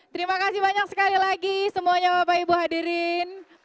terima kasih banyak sekali lagi semuanya bapak ibu hadirin